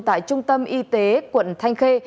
tại trung tâm y tế quận thanh khê